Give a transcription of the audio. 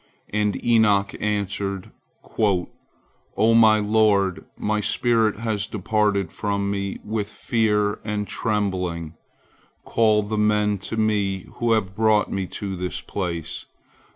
And Enoch answered: "O my lord, my spirit has departed from me with fear and trembling. Call the men to me who have brought me to the place!